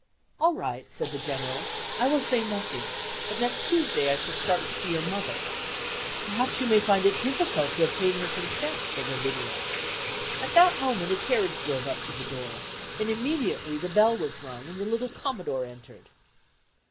"All right," said the General, "I will say nothing; but next Tuesday I shall start to see your mother." "Perhaps you may find it difficult to obtain her consent," said Lavinia. At that moment a carriage drove up to the door, and immediately the bell was rung, and the little Commodore entered.